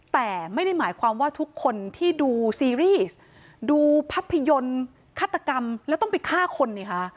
แต่ไม่ได้หมายความว่าทุกคนที่ดูซีรีส์ดูภาพยนตร์ฆาตกรรมแล้วต้องไปฆ่าคนนี่คะ